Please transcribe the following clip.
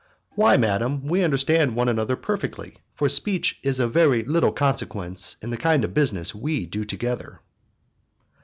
"Why, madam? We understand one another perfectly, for speech is of very little consequence in the kind of business we do together."